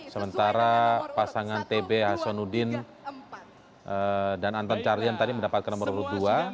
sementara pasangan tb hasanuddin dan anton carlian tadi mendapatkan nomor urut dua